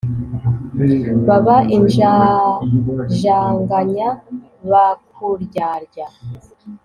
Baba injajanganya bakuryarya!